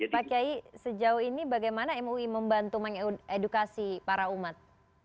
pak kiai sejauh ini bagaimana mui membantu mengedukasi para umat